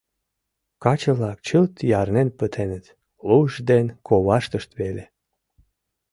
Каче-влак чылт ярнен пытеныт, луышт ден коваштышт веле.